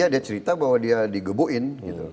dia cerita bahwa dia digebuin